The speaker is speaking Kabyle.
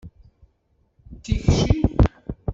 D tikci?